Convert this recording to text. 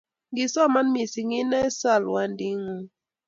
ngisoman mising inae salwandit ngung